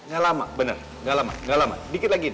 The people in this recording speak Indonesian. ga lama bener ga lama ga lama dikit lagiin